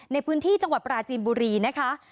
ในพื้นที่จังหวัดปราจีนบุรีนะคะ